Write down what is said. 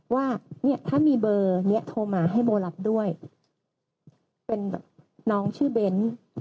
ว่าเนี่ยถ้ามีเบอร์นี้โทรมาให้โบรับด้วยเป็นแบบน้องชื่อเบ้น